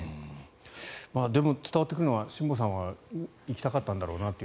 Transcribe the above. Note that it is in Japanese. でも、伝わってくるのは辛坊さんは行きたかったんだろうなと。